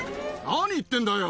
何言ってんだよ。